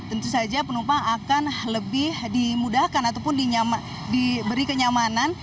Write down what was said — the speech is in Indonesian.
tentu saja penumpang akan lebih dimudahkan ataupun diberi kenyamanan